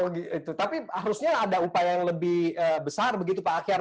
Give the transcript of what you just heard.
tapi harusnya ada upaya yang lebih besar begitu pak akyar